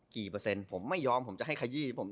เปอร์เซ็นต์ผมไม่ยอมผมจะให้ขยี้ผม